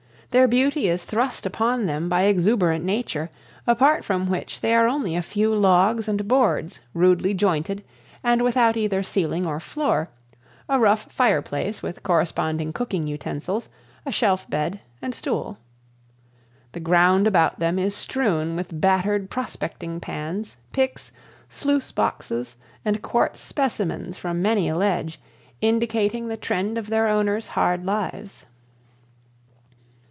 Their beauty is thrust upon them by exuberant Nature, apart from which they are only a few logs and boards rudely jointed and without either ceiling or floor, a rough fireplace with corresponding cooking utensils, a shelf bed, and stool. The ground about them is strewn with battered prospecting pans, picks, sluice boxes, and quartz specimens from many a ledge, indicating the trend of their owners' hard lives.